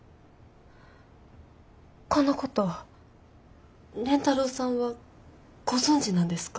このこと蓮太郎さんはご存じなんですか？